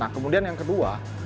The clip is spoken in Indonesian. nah kemudian yang kedua